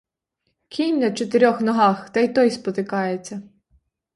Кінь на чотирьох ногах та й той спотикається.